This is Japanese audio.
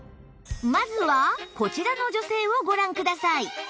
まずはこちらの女性をご覧ください